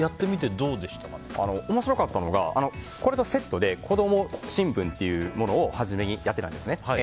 面白かったのがこれとセットで子供新聞というものを初めにやっていたんですね。